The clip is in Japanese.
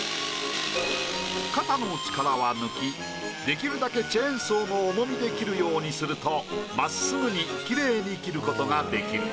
肩の力は抜きできるだけチェーンソーの重みで切るようにすると真っすぐにきれいに切ることができる。